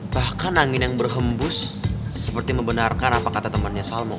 bahkan angin yang berhembus seperti membenarkan apa kata temannya salmo